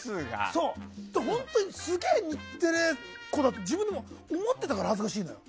そう、本当にすげえ日テレっ子だって自分でも思ってたから恥ずかしいの。